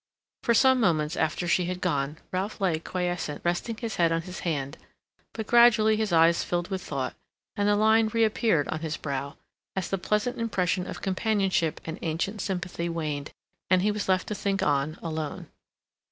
For some minutes after she had gone Ralph lay quiescent, resting his head on his hand, but gradually his eyes filled with thought, and the line reappeared on his brow, as the pleasant impression of companionship and ancient sympathy waned, and he was left to think on alone.